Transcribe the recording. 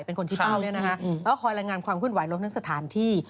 เป็นคนที่เปล่าแล้วก็คอยรายงานความคุ้นไหวรวมทั้งสถานที่